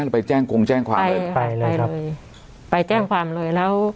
ไปแจ้งกงแจ้งความเลยไปเลยไปแจ้งความเลยแล้ว